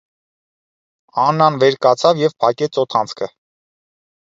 Աննան վեր կացավ և փակեց օդանցքը: